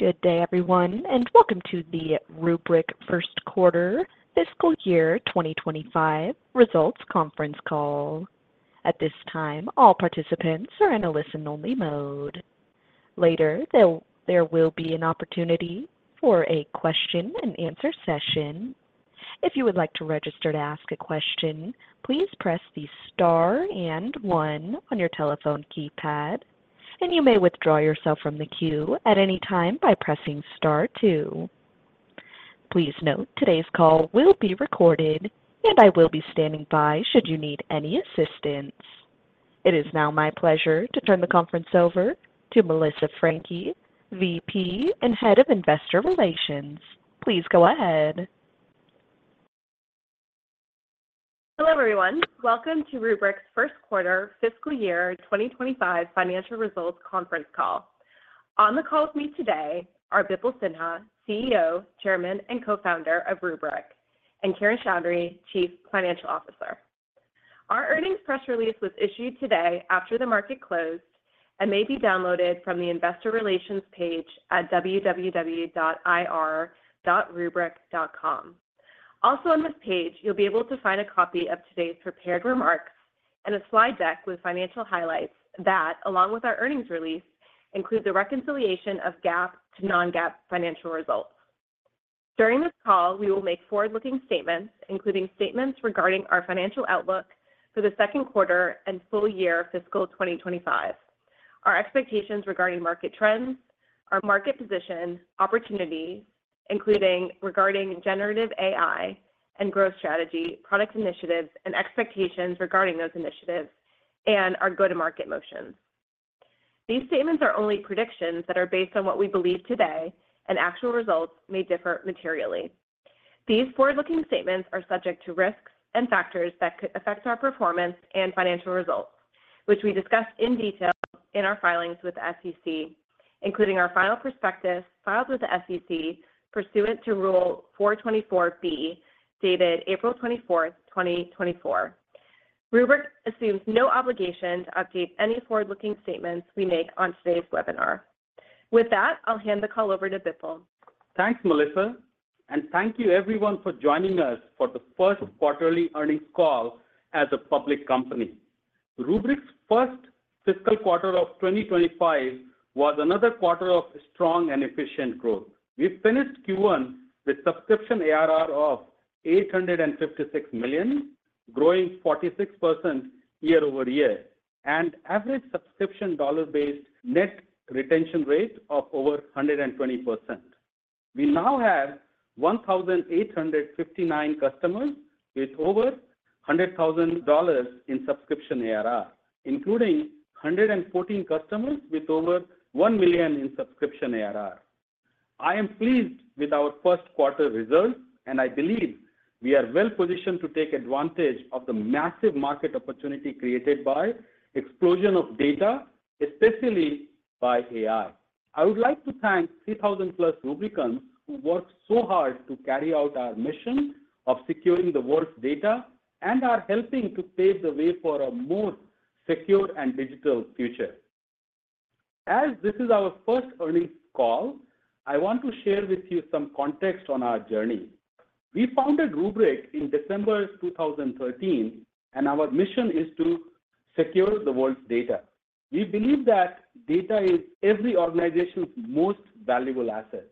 Good day, everyone, and welcome to the Rubrik first quarter fiscal year 2025 results conference call. At this time, all participants are in a listen-only mode. Later, there will be an opportunity for a question and answer session. If you would like to register to ask a question, please press the star and one on your telephone keypad, and you may withdraw yourself from the queue at any time by pressing star two. Please note, today's call will be recorded, and I will be standing by should you need any assistance. It is now my pleasure to turn the conference over to Melissa Franchi, VP and Head of Investor Relations. Please go ahead. Hello, everyone. Welcome to Rubrik's first quarter fiscal year 2025 financial results conference call. On the call with me today are Bipul Sinha, CEO, Chairman, and Co-founder of Rubrik, and Kiran Choudary, Chief Financial Officer. Our earnings press release was issued today after the market closed and may be downloaded from the investor relations page at www.ir.rubrik.com. Also on this page, you'll be able to find a copy of today's prepared remarks and a slide deck with financial highlights that, along with our earnings release, include the reconciliation of GAAP to non-GAAP financial results. During this call, we will make forward-looking statements, including statements regarding our financial outlook for the second quarter and full year fiscal 2025. Our expectations regarding market trends, our market position, opportunity, including regarding generative AI and growth strategy, product initiatives, and expectations regarding those initiatives, and our go-to-market motions. These statements are only predictions that are based on what we believe today, and actual results may differ materially. These forward-looking statements are subject to risks and factors that could affect our performance and financial results, which we discuss in detail in our filings with the SEC, including our final prospectus filed with the SEC pursuant to Rule 424(b), dated April 24, 2024. Rubrik assumes no obligation to update any forward-looking statements we make on today's webinar. With that, I'll hand the call over to Bipul. Thanks, Melissa, and thank you everyone for joining us for the first quarterly earnings call as a public company. Rubrik's first fiscal quarter of 2025 was another quarter of strong and efficient growth. We finished Q1 with subscription ARR of $856 million, growing 46% year-over-year, and average subscription dollar-based net retention rate of over 120%. We now have 1,859 customers with over $100,000 in subscription ARR, including 114 customers with over $1 million in subscription ARR. I am pleased with our first quarter results, and I believe we are well positioned to take advantage of the massive market opportunity created by explosion of data, especially by AI. I would like to thank 3,000+ Rubrikans, who worked so hard to carry out our mission of securing the world's data and are helping to pave the way for a more secure and digital future. As this is our first earnings call, I want to share with you some context on our journey. We founded Rubrik in December 2013, and our mission is to secure the world's data. We believe that data is every organization's most valuable asset.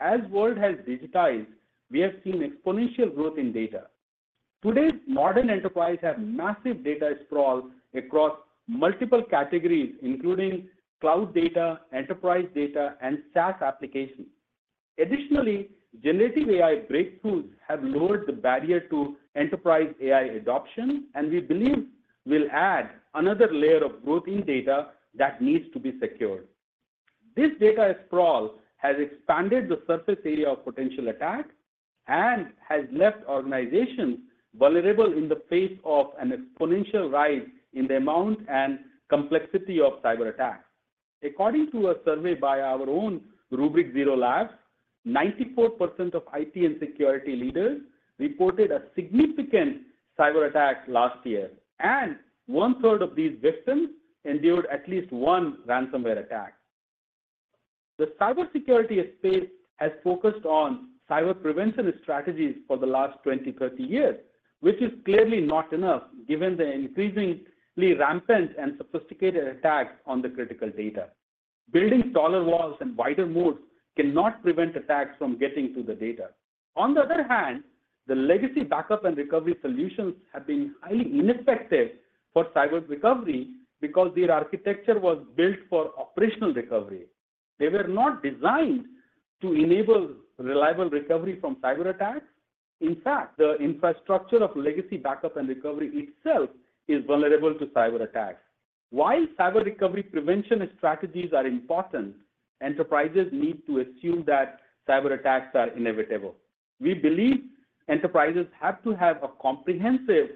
As world has digitized, we have seen exponential growth in data. Today's modern enterprise have massive data sprawl across multiple categories, including cloud data, enterprise data, and SaaS applications. Additionally, Generative AI breakthroughs have lowered the barrier to enterprise AI adoption, and we believe will add another layer of growth in data that needs to be secured. This data sprawl has expanded the surface area of potential attack and has left organizations vulnerable in the face of an exponential rise in the amount and complexity of cyberattacks. According to a survey by our own Rubrik Zero Labs, 94% of IT and security leaders reported a significant cyberattack last year, and one-third of these victims endured at least one ransomware attack. The cybersecurity space has focused on cyber prevention strategies for the last 20-30 years, which is clearly not enough given the increasingly rampant and sophisticated attacks on the critical data. Building taller walls and wider moats cannot prevent attacks from getting to the data. On the other hand, the legacy backup and recovery solutions have been highly ineffective for cyber recovery because their architecture was built for operational recovery. They were not designed to enable reliable recovery from cyberattacks. In fact, the infrastructure of legacy backup and recovery itself is vulnerable to cyberattacks. While cyber recovery prevention strategies are important, enterprises need to assume that cyberattacks are inevitable. We believe enterprises have to have a comprehensive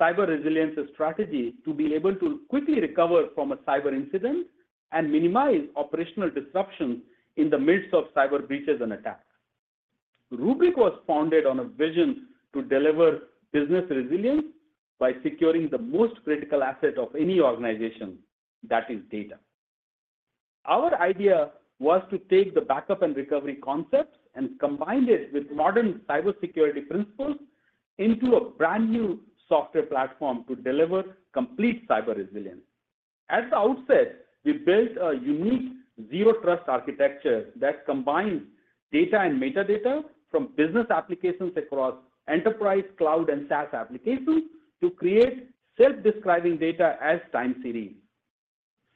Cyber Resilience strategy to be able to quickly recover from a cyber incident and minimize operational disruptions in the midst of cyber breaches and attacks... Rubrik was founded on a vision to deliver business resilience by securing the most critical asset of any organization, that is data. Our idea was to take the backup and recovery concepts and combine it with modern cybersecurity principles into a brand-new software platform to deliver complete Cyber Resilience. At the outset, we built a unique Zero Trust architecture that combines data and metadata from business applications across enterprise, cloud, and SaaS applications to create self-describing data as time series.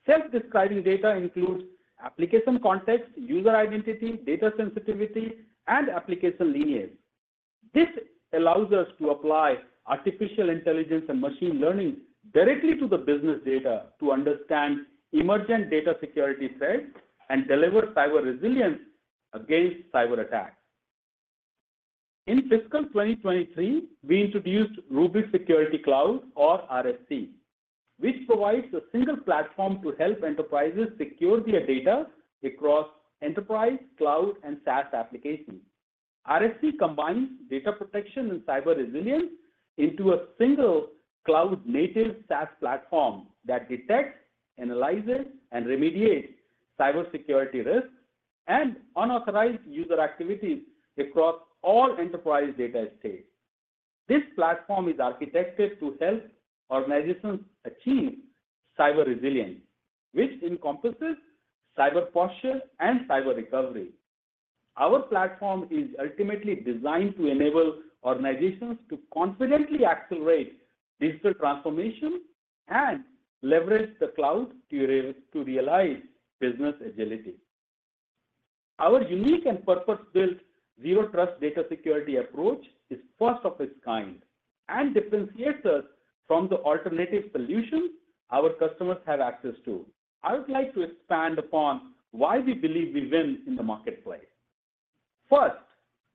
Self-describing data includes application context, user identity, data sensitivity, and application lineage. This allows us to apply artificial intelligence and machine learning directly to the business data to understand emergent data security threats and deliver cyber resilience against cyber attacks. In fiscal 2023, we introduced Rubrik Security Cloud, or RSC, which provides a single platform to help enterprises secure their data across enterprise, cloud, and SaaS applications. RSC combines data protection and cyber resilience into a single cloud-native SaaS platform that detects, analyzes, and remediates cybersecurity risks and unauthorized user activities across all enterprise data estate. This platform is architected to help organizations achieve cyber resilience, which encompasses cyber posture and cyber recovery. Our platform is ultimately designed to enable organizations to confidently accelerate digital transformation and leverage the cloud to realize business agility. Our unique and purpose-built Zero Trust data security approach is first of its kind and differentiates us from the alternative solutions our customers have access to. I would like to expand upon why we believe we win in the marketplace. First,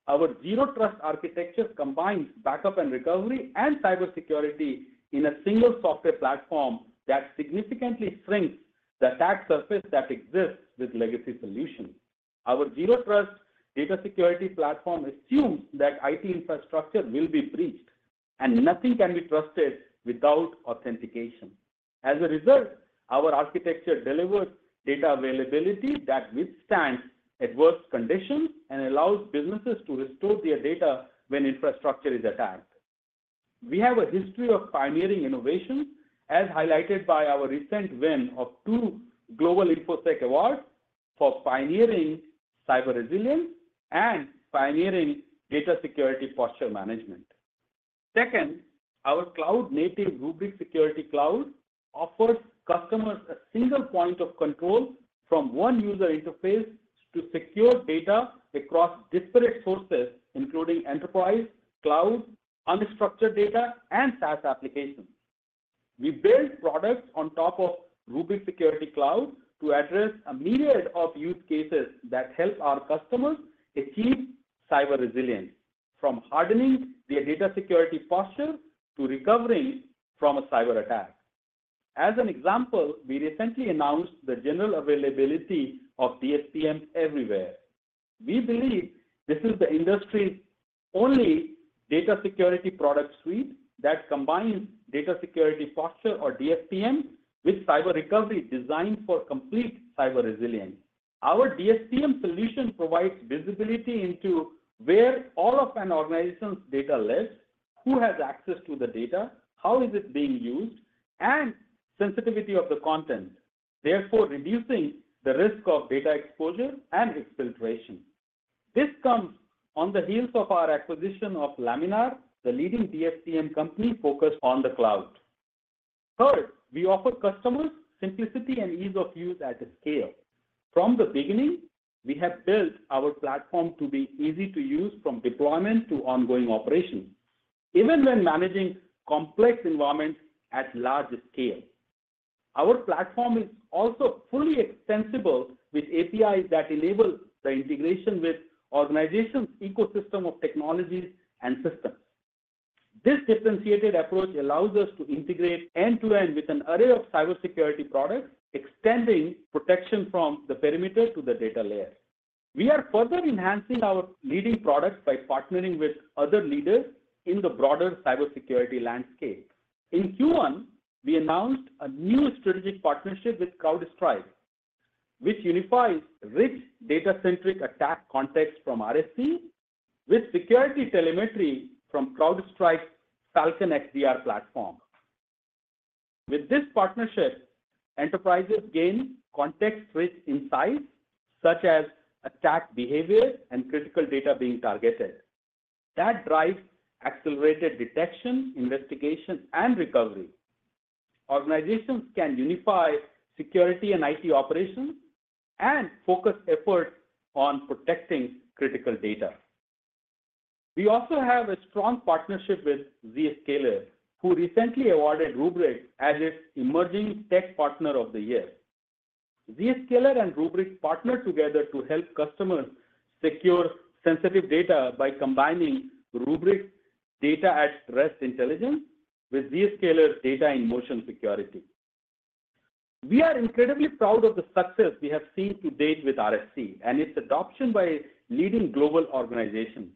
our Zero Trust architecture combines backup and recovery and cybersecurity in a single software platform that significantly shrinks the attack surface that exists with legacy solutions. Our Zero Trust data security platform assumes that IT infrastructure will be breached, and nothing can be trusted without authentication. As a result, our architecture delivers data availability that withstands adverse conditions and allows businesses to restore their data when infrastructure is attacked. We have a history of pioneering innovation, as highlighted by our recent win of two Global Infosec Awards for pioneering Cyber Resilience and pioneering Data Security Posture Management. Second, our cloud-native Rubrik Security Cloud offers customers a single point of control from one user interface to secure data across disparate sources, including enterprise, cloud, unstructured data, and SaaS applications. We build products on top of Rubrik Security Cloud to address a myriad of use cases that help our customers achieve cyber resilience, from hardening their data security posture to recovering from a cyber attack. As an example, we recently announced the general availability of DSPM Everywhere. We believe this is the industry's only data security product suite that combines data security posture, or DSPM, with cyber recovery designed for complete cyber resilience. Our DSPM solution provides visibility into where all of an organization's data lives, who has access to the data, how is it being used, and sensitivity of the content, therefore, reducing the risk of data exposure and exfiltration. This comes on the heels of our acquisition of Laminar, the leading DSPM company focused on the cloud. Third, we offer customers simplicity and ease of use at scale. From the beginning, we have built our platform to be easy to use, from deployment to ongoing operations, even when managing complex environments at large scale. Our platform is also fully extensible, with APIs that enable the integration with organizations' ecosystem of technologies and systems. This differentiated approach allows us to integrate end-to-end with an array of cybersecurity products, extending protection from the perimeter to the data layer. We are further enhancing our leading products by partnering with other leaders in the broader cybersecurity landscape. In Q1, we announced a new strategic partnership with CrowdStrike, which unifies rich data-centric attack context from RSC with security telemetry from CrowdStrike's Falcon XDR platform. With this partnership, enterprises gain context-rich insights, such as attack behavior and critical data being targeted. That drives accelerated detection, investigation, and recovery. Organizations can unify security and IT operations and focus efforts on protecting critical data. We also have a strong partnership with Zscaler, who recently awarded Rubrik as its Emerging Tech Partner of the Year. Zscaler and Rubrik partnered together to help customers secure sensitive data by combining Rubrik data-at-rest intelligence with Zscaler's data-in-motion security.... We are incredibly proud of the success we have seen to date with RSC and its adoption by leading global organizations.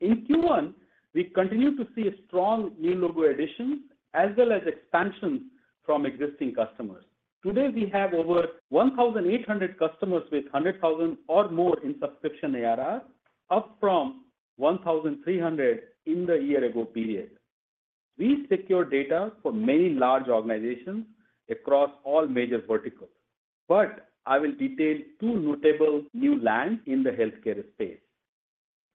In Q1, we continued to see strong new logo additions, as well as expansions from existing customers. Today, we have over 1,800 customers with 100,000 or more in subscription ARR, up from 1,300 in the year ago period. We secure data for many large organizations across all major verticals, but I will detail two notable new lands in the healthcare space.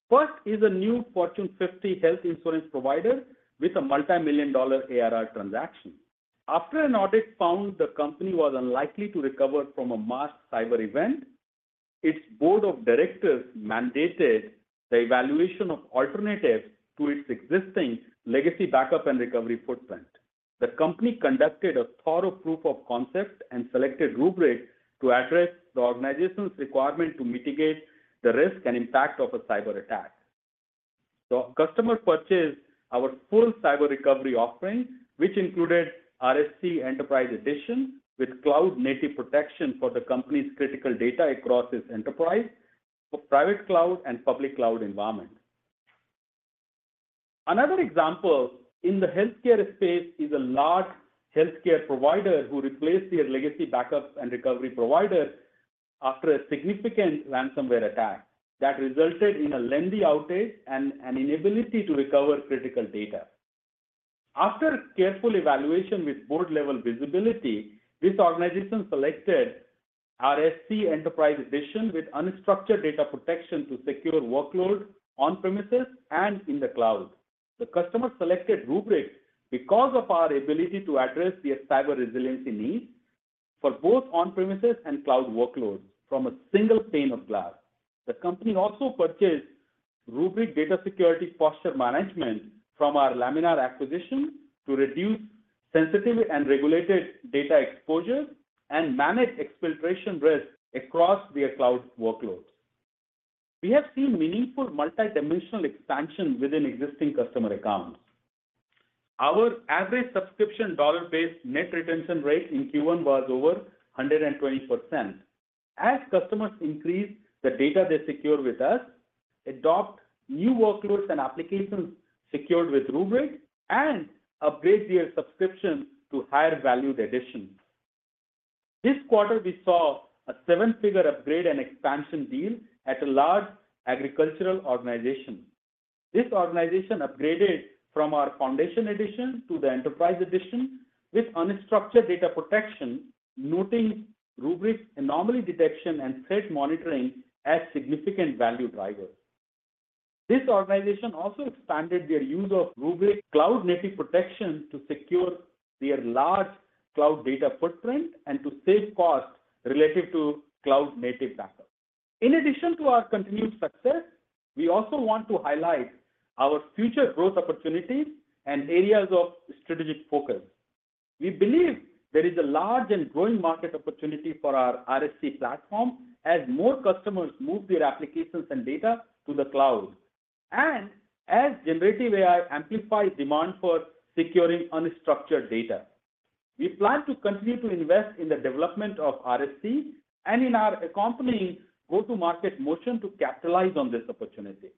First is a new Fortune 50 health insurance provider with a multimillion-dollar ARR transaction. After an audit found the company was unlikely to recover from a massive cyber event, its board of directors mandated the evaluation of alternatives to its existing legacy backup and recovery footprint. The company conducted a thorough proof of concept and selected Rubrik to address the organization's requirement to mitigate the risk and impact of a cyberattack. The customer purchased our full cyber recovery offering, which included RSC Enterprise Edition, with cloud-native protection for the company's critical data across its enterprise, for private cloud and public cloud environment. Another example in the healthcare space is a large healthcare provider who replaced their legacy backup and recovery provider after a significant ransomware attack that resulted in a lengthy outage and an inability to recover critical data. After careful evaluation with board-level visibility, this organization selected RSC Enterprise Edition with unstructured data protection to secure workloads on-premises and in the cloud. The customer selected Rubrik because of our ability to address their cyber resiliency needs for both on-premises and cloud workloads from a single pane of glass. The company also purchased Rubrik Data Security Posture Management from our Laminar acquisition to reduce sensitive and regulated data exposure and manage exfiltration risk across their cloud workloads. We have seen meaningful multidimensional expansion within existing customer accounts. Our average subscription dollar-based net retention rate in Q1 was over 120%. As customers increase the data they secure with us, adopt new workloads and applications secured with Rubrik, and upgrade their subscriptions to higher value additions. This quarter, we saw a seven-figure upgrade and expansion deal at a large agricultural organization. This organization upgraded from our Foundation Edition to the Enterprise Edition with unstructured data protection, noting Rubrik's anomaly detection and threat monitoring as significant value drivers. This organization also expanded their use of Rubrik cloud-native protection to secure their large cloud data footprint and to save costs related to cloud-native backup. In addition to our continued success, we also want to highlight our future growth opportunities and areas of strategic focus. We believe there is a large and growing market opportunity for our RSC platform as more customers move their applications and data to the cloud, and as generative AI amplifies demand for securing unstructured data. We plan to continue to invest in the development of RSC and in our accompanying go-to-market motion to capitalize on this opportunity.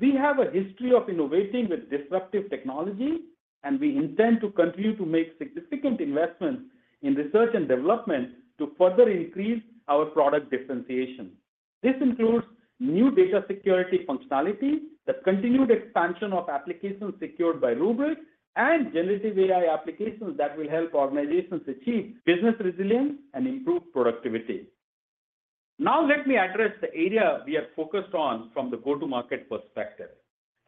We have a history of innovating with disruptive technology, and we intend to continue to make significant investments in research and development to further increase our product differentiation. This includes new data security functionality, the continued expansion of applications secured by Rubrik, and generative AI applications that will help organizations achieve business resilience and improve productivity. Now, let me address the area we are focused on from the go-to-market perspective.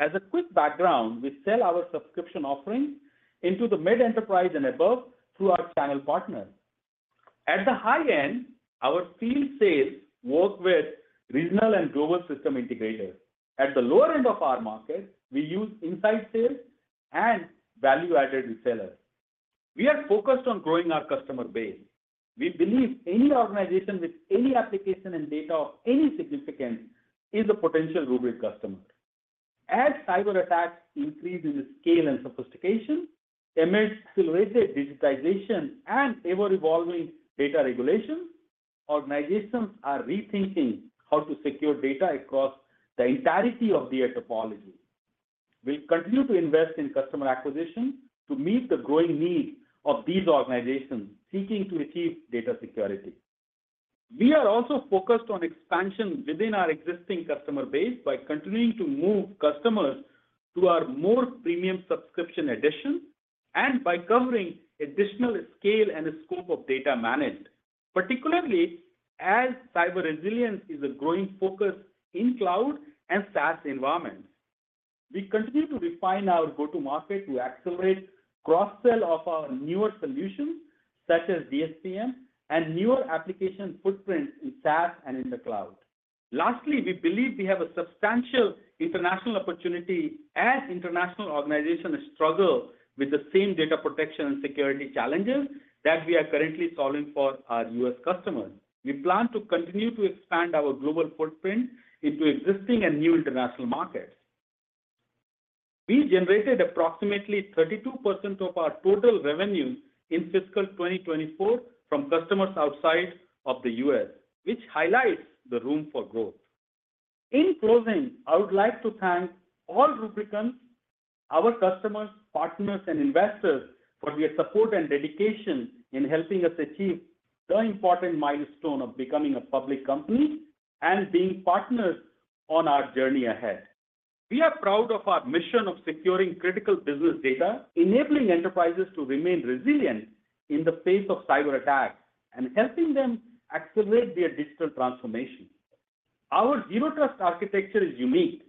As a quick background, we sell our subscription offerings into the mid-enterprise and above through our channel partners. At the high end, our field sales work with regional and global system integrators. At the lower end of our market, we use inside sales and value-added resellers. We are focused on growing our customer base. We believe any organization with any application and data of any significance is a potential Rubrik customer. As cyberattacks increase in scale and sophistication, amidst accelerated digitization and ever-evolving data regulations, organizations are rethinking how to secure data across the entirety of their topology. We continue to invest in customer acquisition to meet the growing needs of these organizations seeking to achieve data security. We are also focused on expansion within our existing customer base by continuing to move customers to our more premium subscription edition, and by covering additional scale and scope of data managed, particularly as cyber resilience is a growing focus in cloud and SaaS environments. We continue to refine our go-to-market to accelerate cross-sell of our newer solutions, such as DSPM and newer application footprints in SaaS and in the cloud. Lastly, we believe we have a substantial international opportunity as international organizations struggle with the same data protection and security challenges that we are currently solving for our US customers. We plan to continue to expand our global footprint into existing and new international markets.... We generated approximately 32% of our total revenue in fiscal 2024 from customers outside of the US, which highlights the room for growth. In closing, I would like to thank all Rubrikans, our customers, partners, and investors for their support and dedication in helping us achieve the important milestone of becoming a public company and being partners on our journey ahead. We are proud of our mission of securing critical business data, enabling enterprises to remain resilient in the face of cyberattacks, and helping them accelerate their digital transformation. Our Zero Trust architecture is unique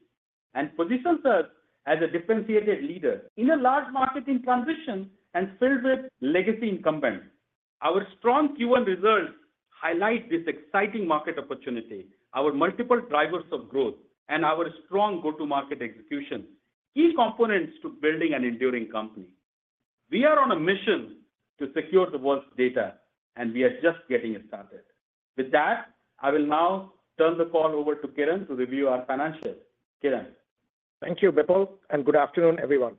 and positions us as a differentiated leader in a large market in transition and filled with legacy incumbents. Our strong Q1 results highlight this exciting market opportunity, our multiple drivers of growth, and our strong go-to-market execution, key components to building an enduring company. We are on a mission to secure the world's data, and we are just getting it started. With that, I will now turn the call over to Kiran to review our financials. Kiran? Thank you, Bipul, and good afternoon, everyone.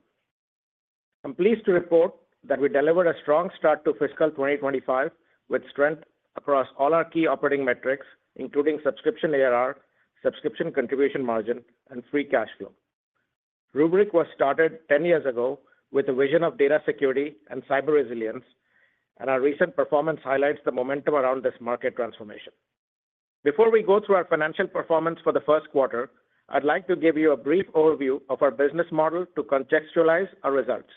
I'm pleased to report that we delivered a strong start to fiscal 2025, with strength across all our key operating metrics, including subscription ARR, subscription contribution margin, and free cash flow. Rubrik was started ten years ago with a vision of data security and cyber resilience, and our recent performance highlights the momentum around this market transformation. Before we go through our financial performance for the first quarter, I'd like to give you a brief overview of our business model to contextualize our results.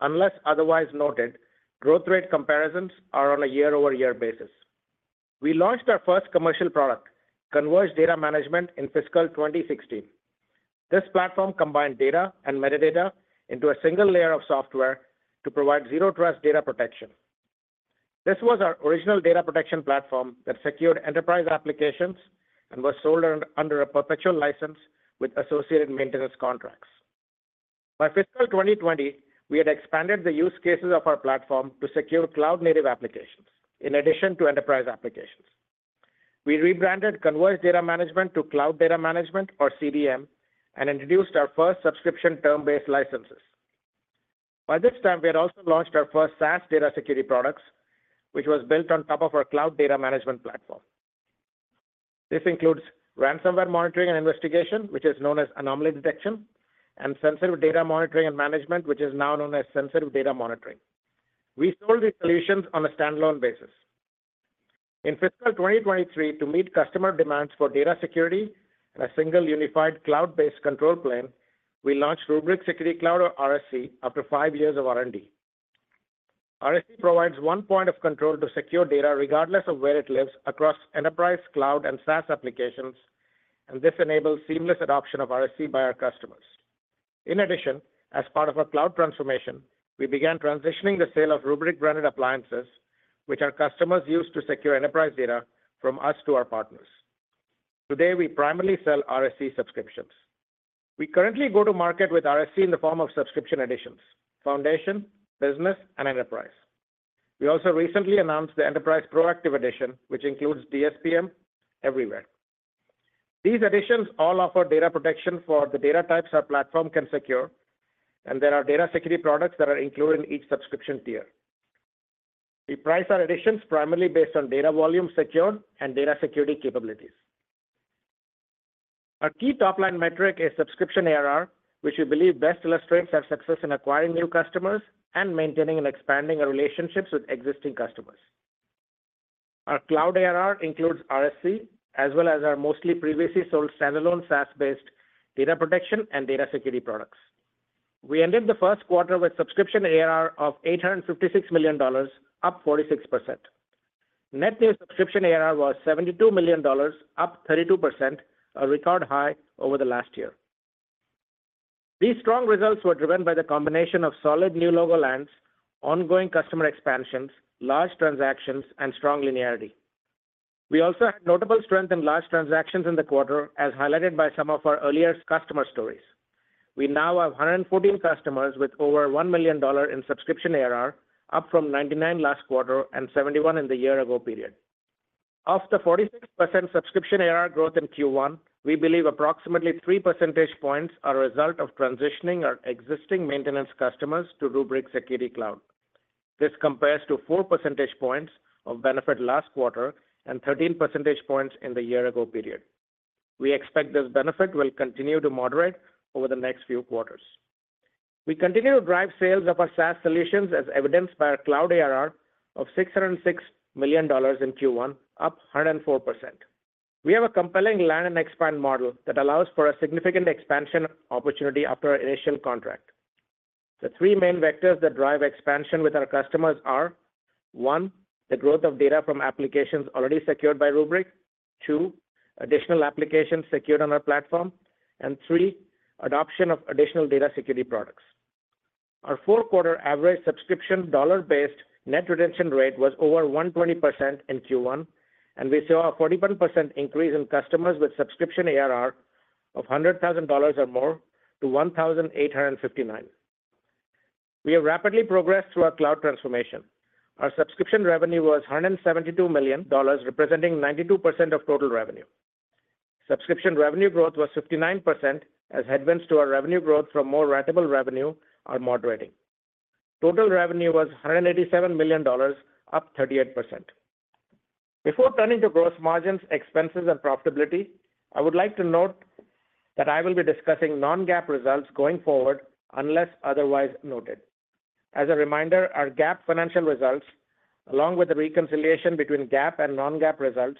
Unless otherwise noted, growth rate comparisons are on a year-over-year basis. We launched our first commercial product, Converged Data Management, in fiscal 2016. This platform combined data and metadata into a single layer of software to provide Zero Trust data protection. This was our original data protection platform that secured enterprise applications and was sold under a perpetual license with associated maintenance contracts. By fiscal 2020, we had expanded the use cases of our platform to secure cloud-native applications, in addition to enterprise applications. We rebranded Converged Data Management to Cloud Data Management, or CDM, and introduced our first subscription term-based licenses. By this time, we had also launched our first SaaS data security products, which was built on top of our Cloud Data Management platform. This includes ransomware monitoring and investigation, which is known as Anomaly Detection, and Sensitive Data Monitoring and management, which is now known as Sensitive Data Monitoring. We sold these solutions on a standalone basis. In fiscal 2023, to meet customer demands for data security and a single unified cloud-based control plane, we launched Rubrik Security Cloud, or RSC, after 5 years of R&D. RSC provides one point of control to secure data, regardless of where it lives, across enterprise, cloud, and SaaS applications, and this enables seamless adoption of RSC by our customers. In addition, as part of our cloud transformation, we began transitioning the sale of Rubrik-branded appliances, which our customers use to secure enterprise data, from us to our partners. Today, we primarily sell RSC subscriptions. We currently go to market with RSC in the form of subscription editions: Foundation, Business, and Enterprise. We also recently announced the Enterprise Proactive Edition, which includes DSPM Everywhere. These editions all offer data protection for the data types our platform can secure, and there are data security products that are included in each subscription tier. We price our editions primarily based on data volume secured and data security capabilities. Our key top-line metric is subscription ARR, which we believe best illustrates our success in acquiring new customers and maintaining and expanding our relationships with existing customers. Our cloud ARR includes RSC, as well as our mostly previously sold standalone, SaaS-based data protection and data security products. We ended the first quarter with subscription ARR of $856 million, up 46%. Net new subscription ARR was $72 million, up 32%, a record high over the last year. These strong results were driven by the combination of solid new logo lands, ongoing customer expansions, large transactions, and strong linearity. We also had notable strength in large transactions in the quarter, as highlighted by some of our earlier customer stories. We now have 114 customers with over $1 million in subscription ARR, up from 99 last quarter and 71 in the year ago period. Of the 46% subscription ARR growth in Q1, we believe approximately 3 percentage points are a result of transitioning our existing maintenance customers to Rubrik Security Cloud. This compares to 4 percentage points of benefit last quarter and 13 percentage points in the year ago period. We expect this benefit will continue to moderate over the next few quarters. We continue to drive sales of our SaaS solutions, as evidenced by our cloud ARR of $606 million in Q1, up 104%. We have a compelling land and expand model that allows for a significant expansion opportunity after our initial contract. The three main vectors that drive expansion with our customers are: one, the growth of data from applications already secured by Rubrik; two, additional applications secured on our platform; and three, adoption of additional data security products. Our four-quarter average Subscription Dollar-Based Net Retention Rate was over 120% in Q1, and we saw a 41% increase in customers with Subscription ARR of $100,000 or more to 1,859.... We have rapidly progressed through our cloud transformation. Our subscription revenue was $172 million, representing 92% of total revenue. Subscription revenue growth was 59%, as headwinds to our revenue growth from more ratable revenue are moderating. Total revenue was $187 million, up 38%. Before turning to gross margins, expenses, and profitability, I would like to note that I will be discussing non-GAAP results going forward, unless otherwise noted. As a reminder, our GAAP financial results, along with the reconciliation between GAAP and non-GAAP results,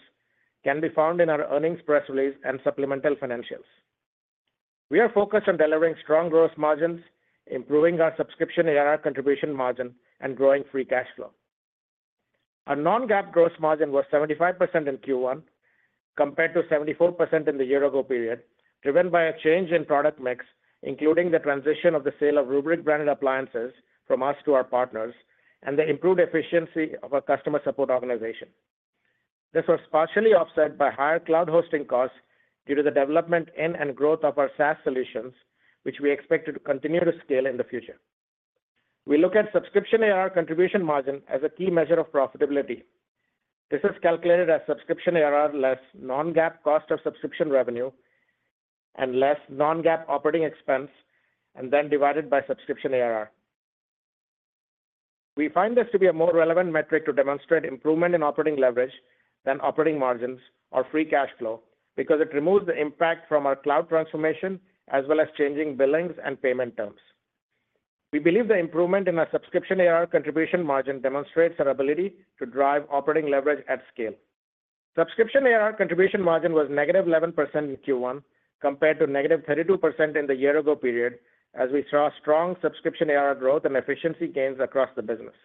can be found in our earnings press release and supplemental financials. We are focused on delivering strong gross margins, improving our subscription ARR contribution margin, and growing free cash flow. Our non-GAAP gross margin was 75% in Q1, compared to 74% in the year ago period, driven by a change in product mix, including the transition of the sale of Rubrik-branded appliances from us to our partners, and the improved efficiency of our customer support organization. This was partially offset by higher cloud hosting costs due to the development in and growth of our SaaS solutions, which we expect to continue to scale in the future. We look at Subscription ARR contribution margin as a key measure of profitability. This is calculated as Subscription ARR, less non-GAAP cost of subscription revenue and less non-GAAP operating expense, and then divided by Subscription ARR. We find this to be a more relevant metric to demonstrate improvement in operating leverage than operating margins or Free Cash Flow, because it removes the impact from our cloud transformation, as well as changing billings and payment terms. We believe the improvement in our Subscription ARR contribution margin demonstrates our ability to drive operating leverage at scale. Subscription ARR contribution margin was negative 11% in Q1, compared to negative 32% in the year ago period, as we saw strong Subscription ARR growth and efficiency gains across the business.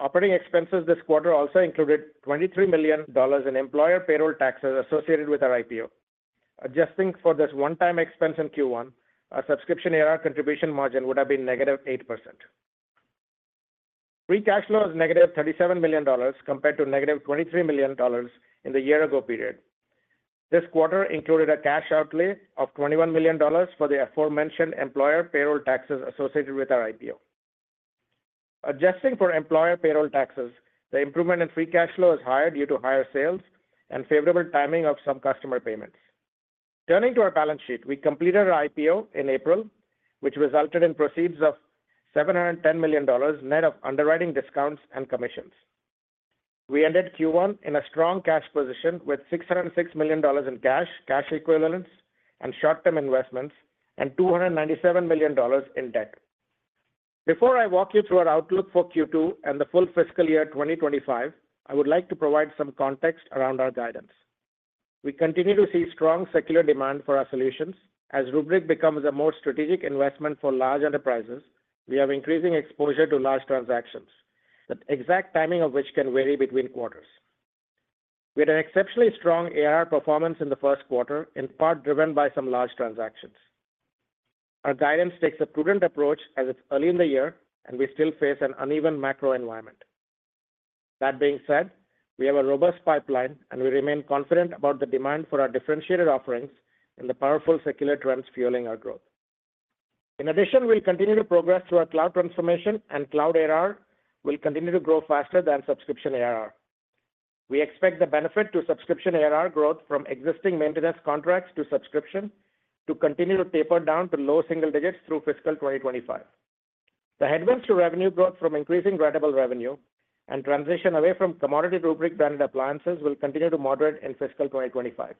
Operating expenses this quarter also included $23 million in employer payroll taxes associated with our IPO. Adjusting for this one-time expense in Q1, our subscription ARR contribution margin would have been negative 8%. Free cash flow is negative $37 million, compared to negative $23 million in the year-ago period. This quarter included a cash outlay of $21 million for the aforementioned employer payroll taxes associated with our IPO. Adjusting for employer payroll taxes, the improvement in free cash flow is higher due to higher sales and favorable timing of some customer payments. Turning to our balance sheet, we completed our IPO in April, which resulted in proceeds of $710 million, net of underwriting discounts and commissions. We ended Q1 in a strong cash position with $606 million in cash, cash equivalents, and short-term investments, and $297 million in debt. Before I walk you through our outlook for Q2 and the full fiscal year 2025, I would like to provide some context around our guidance. We continue to see strong secular demand for our solutions. As Rubrik becomes a more strategic investment for large enterprises, we have increasing exposure to large transactions, the exact timing of which can vary between quarters. We had an exceptionally strong ARR performance in the first quarter, in part driven by some large transactions. Our guidance takes a prudent approach as it's early in the year and we still face an uneven macro environment. That being said, we have a robust pipeline, and we remain confident about the demand for our differentiated offerings and the powerful secular trends fueling our growth. In addition, we'll continue to progress through our cloud transformation, and cloud ARR will continue to grow faster than subscription ARR. We expect the benefit to subscription ARR growth from existing maintenance contracts to subscription to continue to taper down to low single digits through fiscal 2025. The headwinds to revenue growth from increasing ratable revenue and transition away from commodity Rubrik-branded appliances will continue to moderate in fiscal 2025.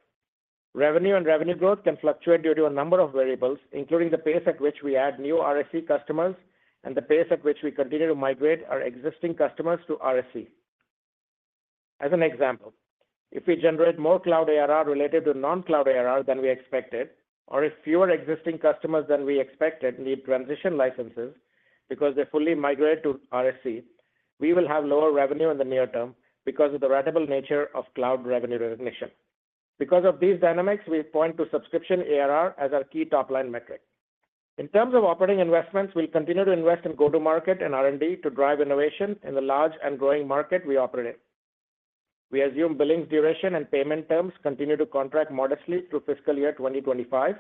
Revenue and revenue growth can fluctuate due to a number of variables, including the pace at which we add new RSC customers and the pace at which we continue to migrate our existing customers to RSC. As an example, if we generate more cloud ARR related to non-cloud ARR than we expected, or if fewer existing customers than we expected need transition licenses because they fully migrate to RSC, we will have lower revenue in the near term because of the ratable nature of cloud revenue recognition. Because of these dynamics, we point to subscription ARR as our key top-line metric. In terms of operating investments, we'll continue to invest in go-to-market and R&D to drive innovation in the large and growing market we operate in. We assume billings duration and payment terms continue to contract modestly through fiscal year 2025,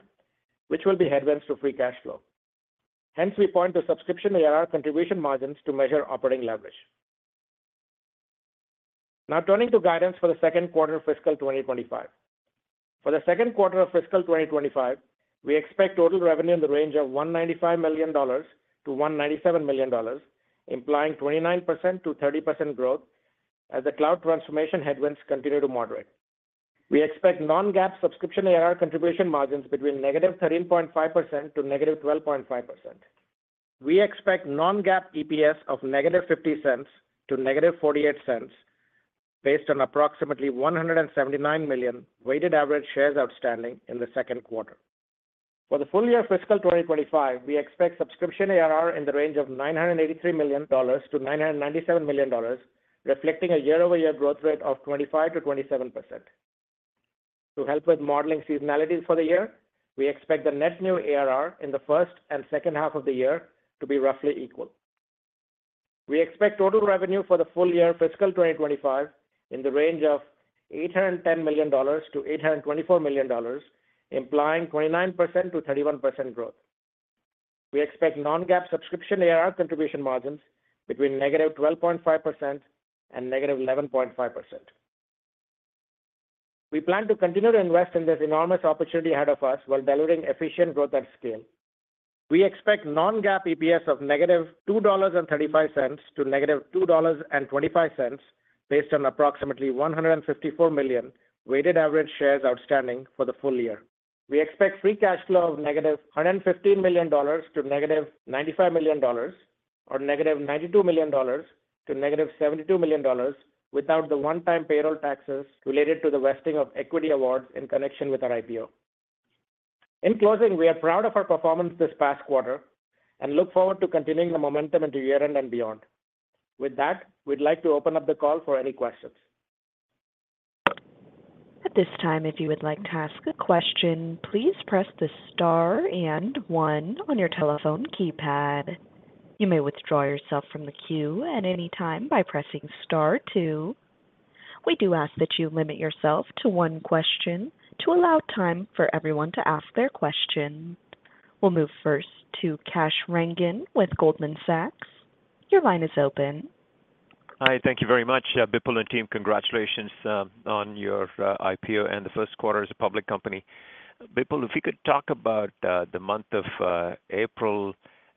which will be headwinds to free cash flow. Hence, we point to subscription ARR contribution margins to measure operating leverage. Now, turning to guidance for the second quarter of fiscal 2025. For the second quarter of fiscal 2025, we expect total revenue in the range of $195 million-$197 million, implying 29%-30% growth as the cloud transformation headwinds continue to moderate. We expect non-GAAP subscription ARR contribution margins between -13.5% to -12.5%. We expect Non-GAAP EPS of -$0.50 to -$0.48, based on approximately 179 million weighted average shares outstanding in the second quarter. For the full year fiscal 2025, we expect subscription ARR in the range of $983 million to $997 million, reflecting a year-over-year growth rate of 25%-27%. To help with modeling seasonality for the year, we expect the net new ARR in the first and second half of the year to be roughly equal.... We expect total revenue for the full year fiscal 2025 in the range of $810 million-$824 million, implying 29%-31% growth. We expect non-GAAP subscription ARR contribution margins between -12.5% and -11.5%. We plan to continue to invest in this enormous opportunity ahead of us while delivering efficient growth at scale. We expect non-GAAP EPS of -$2.35 to -$2.25, based on approximately 154 million weighted average shares outstanding for the full year. We expect free cash flow of -$115 million to -$95 million, or -$92 million to -$72 million without the one-time payroll taxes related to the vesting of equity awards in connection with our IPO. In closing, we are proud of our performance this past quarter and look forward to continuing the momentum into year-end and beyond. With that, we'd like to open up the call for any questions. At this time, if you would like to ask a question, please press the Star and one on your telephone keypad. You may withdraw yourself from the queue at any time by pressing Star two. We do ask that you limit yourself to one question to allow time for everyone to ask their question. We'll move first to Kash Rangan with Goldman Sachs. Your line is open. Hi. Thank you very much. Bipul and team, congratulations on your IPO and the first quarter as a public company. Bipul, if you could talk about the month of April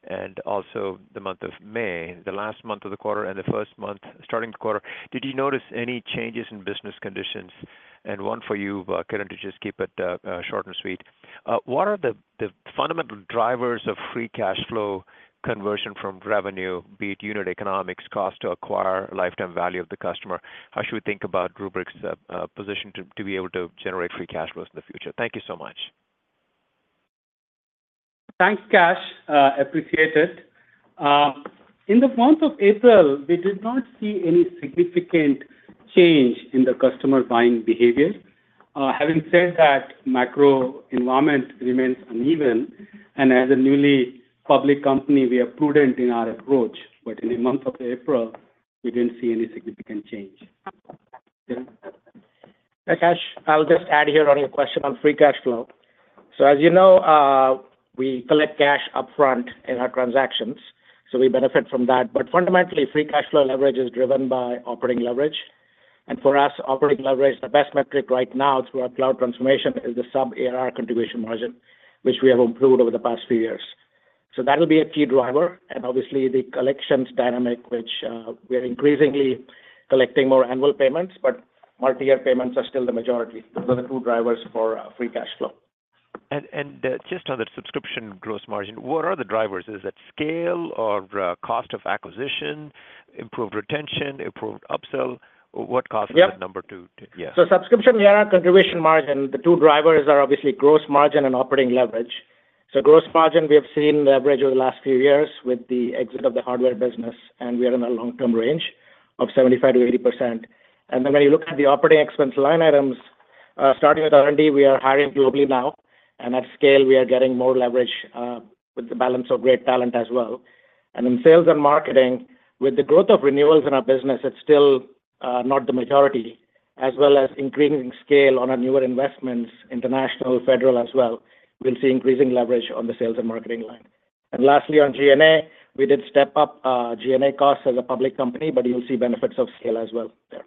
and also the month of May, the last month of the quarter and the first month starting the quarter, did you notice any changes in business conditions? And one for you, Kiran, to just keep it short and sweet. What are the fundamental drivers of free cash flow conversion from revenue, be it unit economics, cost to acquire, lifetime value of the customer? How should we think about Rubrik's position to be able to generate free cash flows in the future? Thank you so much. Thanks, Kash. Appreciate it. In the month of April, we did not see any significant change in the customer buying behavior. Having said that, macro environment remains uneven, and as a newly public company, we are prudent in our approach. But in the month of April, we didn't see any significant change. Kiran? Hi, Kash. I'll just add here on your question on free cash flow. So as you know, we collect cash upfront in our transactions, so we benefit from that. But fundamentally, free cash flow leverage is driven by operating leverage. And for us, operating leverage, the best metric right now through our cloud transformation is the sub-ARR contribution margin, which we have improved over the past few years. So that will be a key driver, and obviously the collections dynamic, which, we are increasingly collecting more annual payments, but multi-year payments are still the majority. Those are the two drivers for, free cash flow. And just on the subscription gross margin, what are the drivers? Is it scale or cost of acquisition, improved retention, improved upsell? What causes- Yep. The number to... Yeah. So subscription ARR contribution margin, the two drivers are obviously gross margin and operating leverage. So gross margin, we have seen leverage over the last few years with the exit of the hardware business, and we are in a long-term range of 75%-80%. And then when you look at the operating expense line items, starting with R&D, we are hiring globally now, and at scale, we are getting more leverage, with the balance of great talent as well. And in sales and marketing, with the growth of renewals in our business, it's still, not the majority, as well as increasing scale on our newer investments, international, federal as well, we'll see increasing leverage on the sales and marketing line. And lastly, on G&A, we did step up, G&A costs as a public company, but you'll see benefits of scale as well there.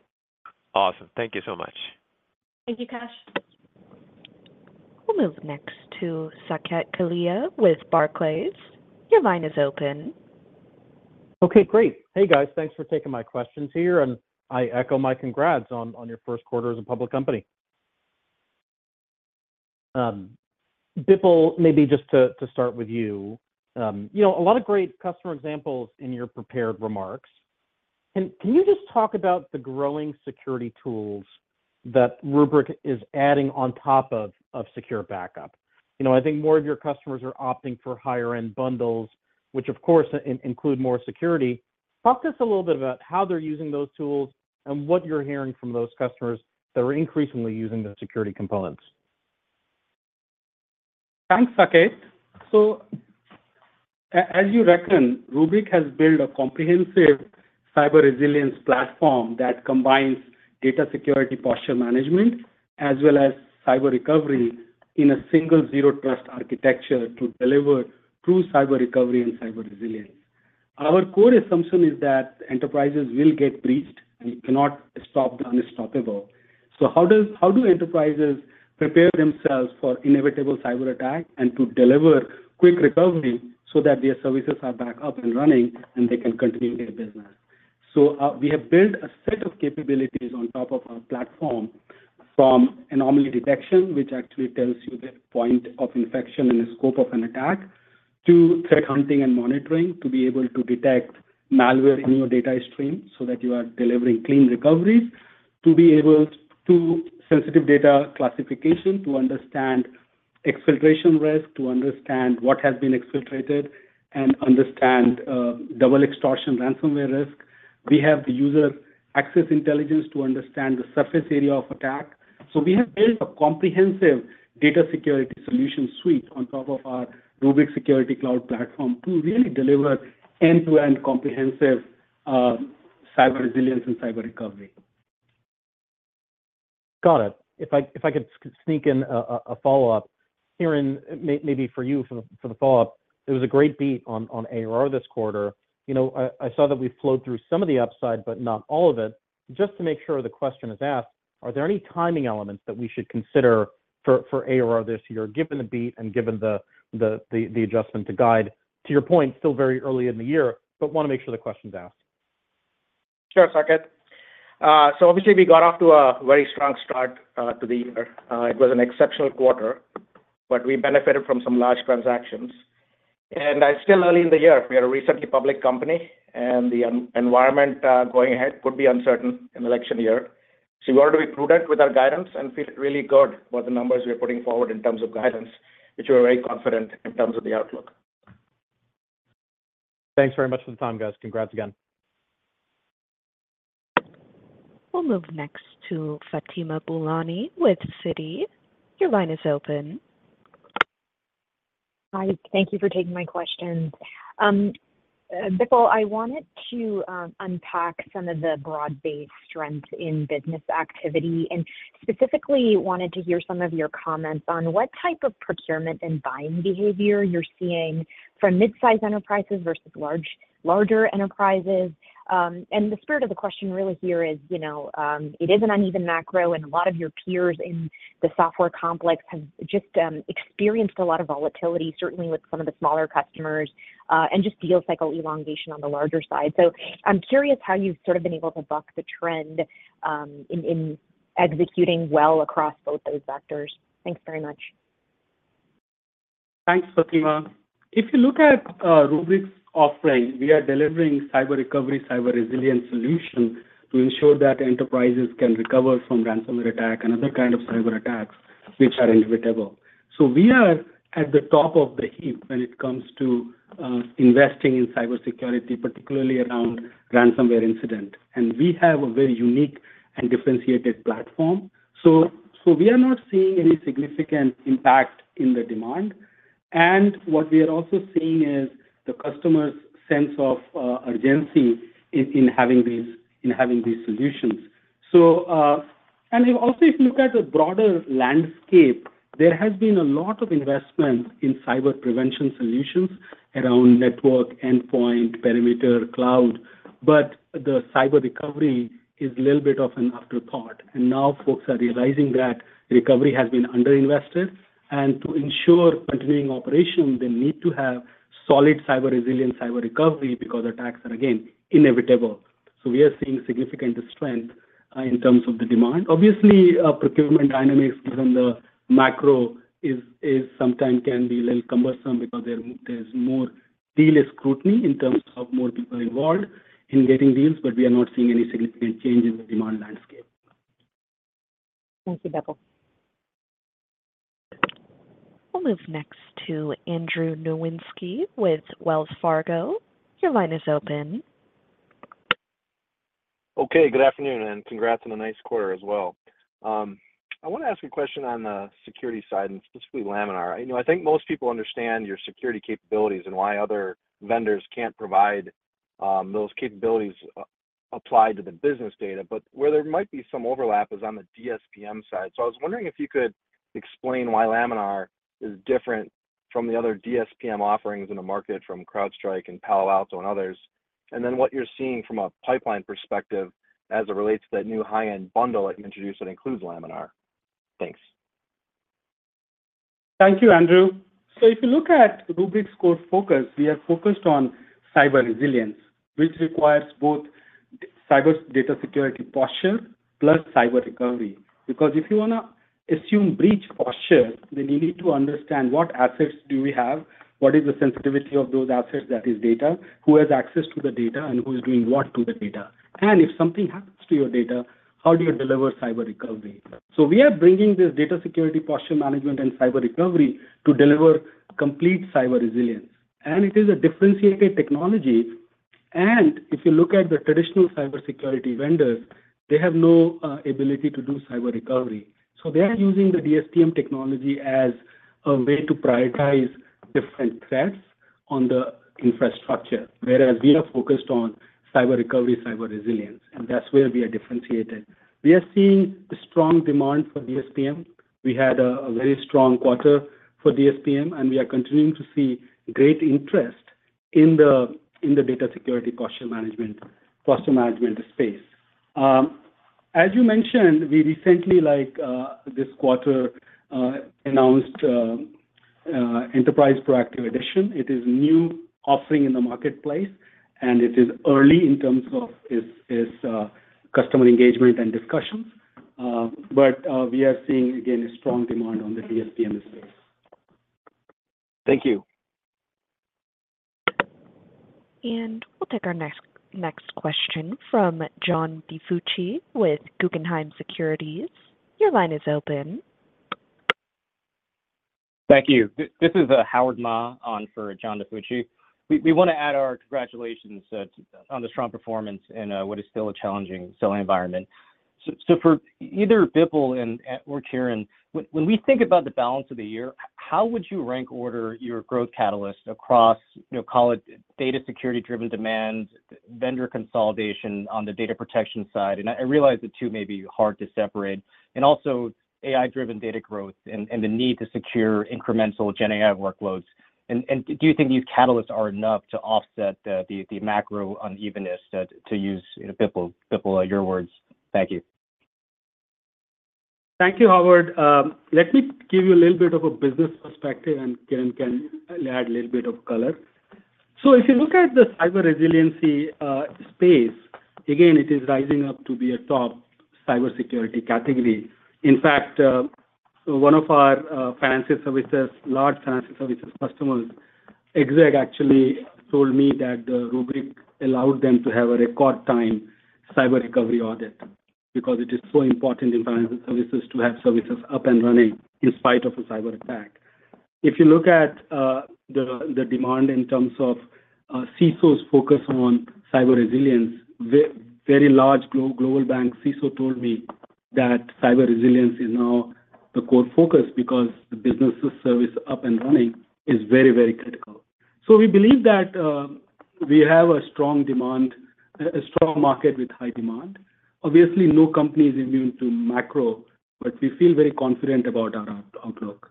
Awesome. Thank you so much. Thank you, Kash. We'll move next to Saket Kalia with Barclays. Your line is open. Okay, great. Hey, guys, thanks for taking my questions here, and I echo my congrats on your first quarter as a public company. Bipul, maybe just to start with you. You know, a lot of great customer examples in your prepared remarks. Can you just talk about the growing security tools that Rubrik is adding on top of secure backup? You know, I think more of your customers are opting for higher-end bundles, which of course include more security. Talk to us a little bit about how they're using those tools and what you're hearing from those customers that are increasingly using the security components. Thanks, Saket. So as you reckon, Rubrik has built a comprehensive cyber resilience platform that combines data security posture management as well as cyber recovery in a single Zero Trust architecture to deliver true cyber recovery and cyber resilience. Our core assumption is that enterprises will get breached, and you cannot stop the unstoppable. So how do enterprises prepare themselves for inevitable cyberattack and to deliver quick recovery so that their services are back up and running, and they can continue their business? So, we have built a set of capabilities on top of our platform, from anomaly detection, which actually tells you the point of infection and the scope of an attack, to threat hunting and monitoring, to be able to detect malware in your data stream so that you are delivering clean recoveries, to be able to sensitive data classification, to understand exfiltration risk, to understand what has been exfiltrated, and understand double extortion ransomware risk. We have the user access intelligence to understand the surface area of attack. So we have built a comprehensive data security solution suite on top of our Rubrik Security Cloud platform to really deliver end-to-end comprehensive cyber resilience and cyber recovery. Got it. If I could sneak in a follow-up. Kiran, maybe for you for the follow-up, it was a great beat on ARR this quarter. You know, I saw that we flowed through some of the upside, but not all of it. Just to make sure the question is asked, are there any timing elements that we should consider for ARR this year, given the beat and given the adjustment to guide? To your point, still very early in the year, but wanna make sure the question's asked. Sure, Saket. So obviously, we got off to a very strong start to the year. It was an exceptional quarter, but we benefited from some large transactions. And it's still early in the year. We are a recently public company, and the environment going ahead could be uncertain in election year. So we want to be prudent with our guidance and feel really good about the numbers we are putting forward in terms of guidance, which we are very confident in terms of the outlook. Thanks very much for the time, guys. Congrats again. We'll move next to Fatima Boolani with Citi. Your line is open. Hi, thank you for taking my questions. Bipul, I wanted to unpack some of the broad-based strengths in business activity, and specifically wanted to hear some of your comments on what type of procurement and buying behavior you're seeing from mid-size enterprises versus larger enterprises. And the spirit of the question really here is, you know, it is an uneven macro, and a lot of your peers in the software complex have just experienced a lot of volatility, certainly with some of the smaller customers, and just deal cycle elongation on the larger side. So I'm curious how you've sort of been able to buck the trend, in executing well across both those vectors. Thanks very much. Thanks, Fatima. If you look at Rubrik's offering, we are delivering cyber recovery, cyber resilience solution to ensure that enterprises can recover from ransomware attack and other kind of cyberattacks, which are inevitable. So we are at the top of the heap when it comes to investing in cybersecurity, particularly around ransomware incident. And we have a very unique and differentiated platform. So we are not seeing any significant impact in the demand, and what we are also seeing is the customer's sense of urgency in having these solutions. And also, if you look at the broader landscape, there has been a lot of investment in cyber prevention solutions around network, endpoint, perimeter, cloud, but the cyber recovery is a little bit of an afterthought. And now folks are realizing that recovery has been underinvested, and to ensure continuing operation, they need to have solid cyber resilience, cyber recovery, because attacks are, again, inevitable. So we are seeing significant strength in terms of the demand. Obviously, procurement dynamics within the macro is sometimes a little cumbersome because there's more deal scrutiny in terms of more people involved in getting deals, but we are not seeing any significant change in the demand landscape. Thank you, Bipul. We'll move next to Andrew Nowinski with Wells Fargo. Your line is open. Okay, good afternoon, and congrats on a nice quarter as well. I wanna ask a question on the security side, and specifically Laminar. You know, I think most people understand your security capabilities and why other vendors can't provide those capabilities applied to the business data. But where there might be some overlap is on the DSPM side. So I was wondering if you could explain why Laminar is different from the other DSPM offerings in the market, from CrowdStrike and Palo Alto and others. And then what you're seeing from a pipeline perspective as it relates to that new high-end bundle that you introduced that includes Laminar. Thanks. Thank you, Andrew. So if you look at Rubrik's core focus, we are focused on cyber resilience, which requires both data security posture plus cyber recovery. Because if you wanna assume breach posture, then you need to understand what assets do we have, what is the sensitivity of those assets, that is data, who has access to the data, and who is doing what to the data? And if something happens to your data, how do you deliver cyber recovery? So we are bringing this data security posture management and cyber recovery to deliver complete cyber resilience. And it is a differentiated technology, and if you look at the traditional cybersecurity vendors, they have no ability to do cyber recovery. So they are using the DSPM technology as a way to prioritize different threats on the infrastructure, whereas we are focused on cyber recovery, cyber resilience, and that's where we are differentiated. We are seeing strong demand for DSPM. We had a very strong quarter for DSPM, and we are continuing to see great interest in the data security posture management space. As you mentioned, we recently, like, this quarter, announced Enterprise Proactive Edition. It is new offering in the marketplace, and it is early in terms of its customer engagement and discussions. But we are seeing, again, a strong demand on the DSPM space. Thank you. We'll take our next question from John DiFucci with Guggenheim Securities. Your line is open.... Thank you. This is Howard Ma on for John DiFucci. We want to add our congratulations on the strong performance in what is still a challenging selling environment. So for either Bipul and or Kiran, when we think about the balance of the year, how would you rank order your growth catalyst across, you know, call it data security driven demand, vendor consolidation on the data protection side? And I realize the two may be hard to separate, and also AI-driven data growth and the need to secure incremental GenAI workloads. And do you think these catalysts are enough to offset the macro unevenness, to use, Bipul, your words? Thank you. Thank you, Howard. Let me give you a little bit of a business perspective, and Kiran can add a little bit of color. So if you look at the cyber resiliency space, again, it is rising up to be a top cybersecurity category. In fact, one of our financial services, large financial services customers, exec, actually told me that the Rubrik allowed them to have a record time cyber recovery audit, because it is so important in financial services to have services up and running in spite of a cyber attack. If you look at the demand in terms of CISO's focus on cyber resilience, the very large global bank CISO told me that cyber resilience is now the core focus because the business service up and running is very, very critical. So we believe that we have a strong demand, a strong market with high demand. Obviously, no company is immune to macro, but we feel very confident about our outlook.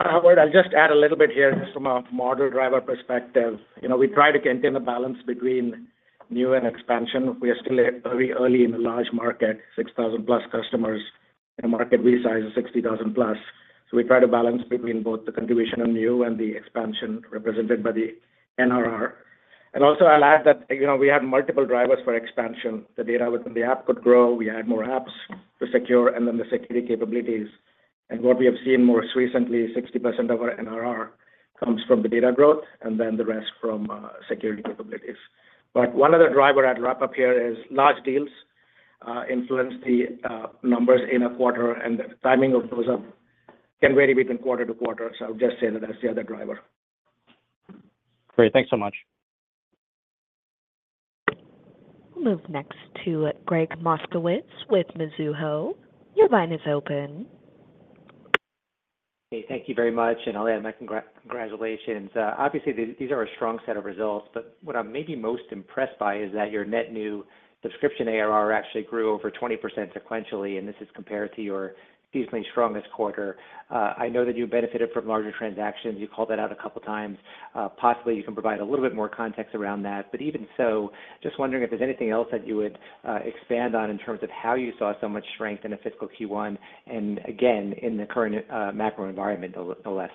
Howard, I'll just add a little bit here, just from a model driver perspective. You know, we try to maintain a balance between new and expansion. We are still at very early in a large market, 6,000+ customers in a market we size of 60,000+. So we try to balance between both the contribution and new and the expansion represented by the NRR. And also, I'll add that, you know, we have multiple drivers for expansion. The data within the app could grow, we add more apps to secure, and then the security capabilities. And what we have seen more recently, 60% of our NRR comes from the data growth and then the rest from security capabilities. But one other driver I'd wrap up here is large deals influence the numbers in a quarter, and the timing of those up can vary between quarter to quarter. So I'll just say that as the other driver. Great. Thanks so much. Move next to Gregg Moskowitz with Mizuho. Your line is open. Hey, thank you very much, and I'll add my congratulations. Obviously, these are a strong set of results, but what I'm maybe most impressed by is that your net new Subscription ARR actually grew over 20% sequentially, and this is compared to your decisively strongest quarter. I know that you benefited from larger transactions. You called that out a couple of times. Possibly you can provide a little bit more context around that, but even so, just wondering if there's anything else that you would expand on in terms of how you saw so much strength in a fiscal Q1, and again, in the current macro environment, nonetheless.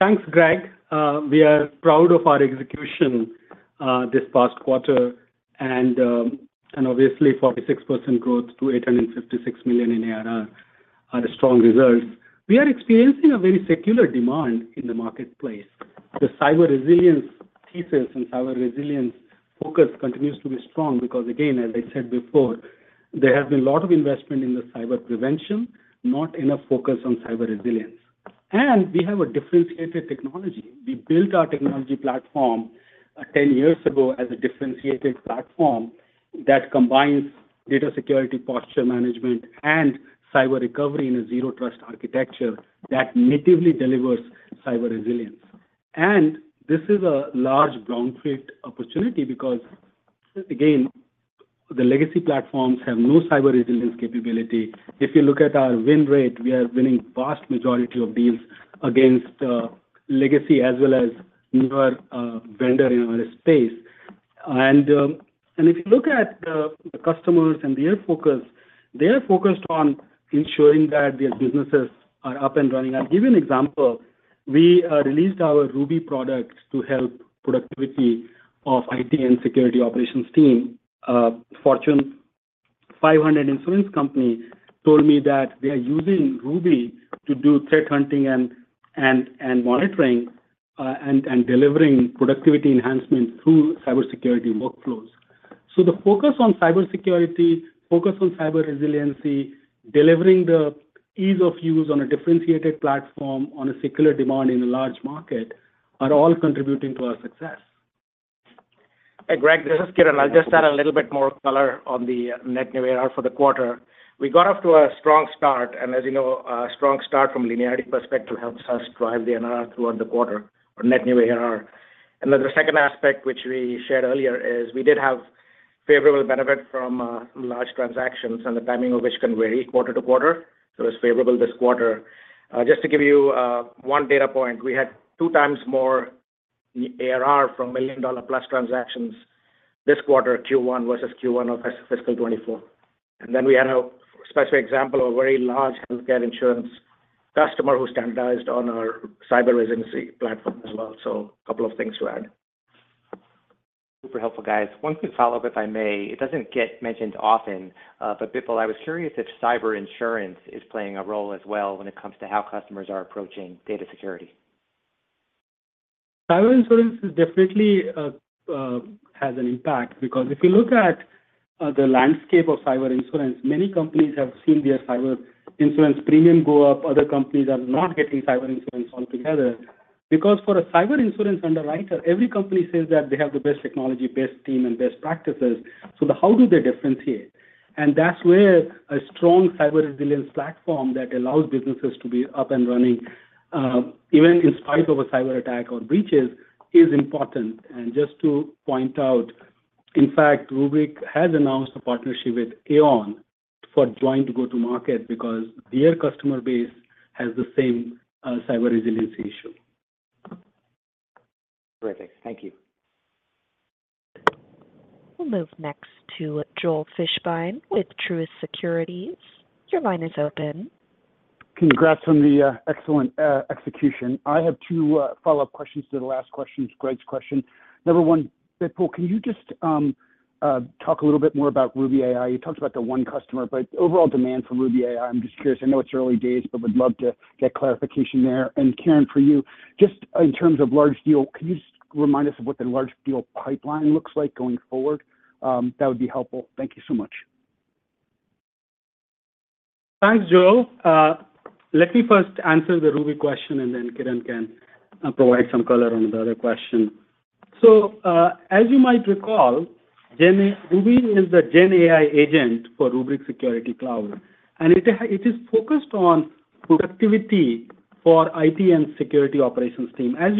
Thanks, Gregg. We are proud of our execution this past quarter. And obviously, 46% growth to $856 million in ARR are the strong results. We are experiencing a very secular demand in the marketplace. The cyber resilience thesis and cyber resilience focus continues to be strong because again, as I said before, there has been a lot of investment in the cyber prevention, not enough focus on cyber resilience. And we have a differentiated technology. We built our technology platform 10 years ago as a differentiated platform that combines data security, posture management, and cyber recovery in a zero trust architecture that natively delivers cyber resilience. And this is a large brownfield opportunity because, again, the legacy platforms have no cyber resilience capability. If you look at our win rate, we are winning vast majority of deals against legacy as well as newer vendor in our space. If you look at the customers and their focus, they are focused on ensuring that their businesses are up and running. I'll give you an example. We released our Ruby product to help productivity of IT and security operations team. Fortune 500 insurance company told me that they are using Ruby to do threat hunting and monitoring and delivering productivity enhancements through cybersecurity workflows. So the focus on cybersecurity, focus on cyber resiliency, delivering the ease of use on a differentiated platform, on a secular demand in a large market, are all contributing to our success. Hey, Gregg, this is Kiran. I'll just add a little bit more color on the net new ARR for the quarter. We got off to a strong start, and as you know, a strong start from linearity perspective helps us drive the ARR throughout the quarter or net new ARR. And then the second aspect, which we shared earlier, is we did have favorable benefit from large transactions, and the timing of which can vary quarter to quarter, so it's favorable this quarter. Just to give you one data point, we had two times more ARR from $1 million-plus transactions this quarter, Q1 versus Q1 of fiscal 2024. And then we had a specific example of a very large healthcare insurance customer who standardized on our cyber resilience platform as well. So a couple of things to add. Super helpful, guys. One quick follow-up, if I may. It doesn't get mentioned often, but Bipul, I was curious if cyber insurance is playing a role as well when it comes to how customers are approaching data security?... Cyber insurance is definitely, has an impact, because if you look at, the landscape of cyber insurance, many companies have seen their cyber insurance premium go up. Other companies are not getting cyber insurance altogether. Because for a cyber insurance underwriter, every company says that they have the best technology, best team, and best practices. So how do they differentiate? And that's where a strong cyber resilience platform that allows businesses to be up and running, even in spite of a cyberattack or breaches, is important. And just to point out, in fact, Rubrik has announced a partnership with Aon for joint go-to-market because their customer base has the same, cyber resilience issue. Terrific. Thank you. We'll move next to Joel Fishbein with Truist Securities. Your line is open. Congrats on the excellent execution. I have two follow-up questions to the last questions, Gregg's question. Number one, Bipul, can you just talk a little bit more about Ruby AI? You talked about the one customer, but overall demand for Ruby AI, I'm just curious. I know it's early days, but would love to get clarification there. And Kiran, for you, just in terms of large deal, can you just remind us of what the large deal pipeline looks like going forward? That would be helpful. Thank you so much. Thanks, Joel. Let me first answer the Ruby question, and then Kiran can provide some color on the other question. So, as you might recall, Ruby is the GenAI agent for Rubrik Security Cloud, and it is focused on productivity for IT and security operations team. As